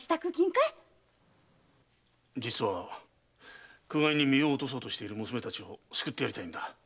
実は苦界に身を堕とそうとしている娘たちを救いたいんだ。